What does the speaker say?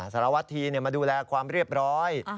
สารวัตธีมาดูแลความเรียบร้อย